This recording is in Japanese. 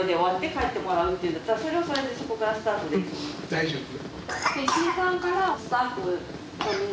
大丈夫。